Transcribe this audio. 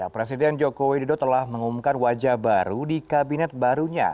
presiden joko widodo telah mengumumkan wajah baru di kabinet barunya